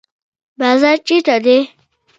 بازار چیرته دی؟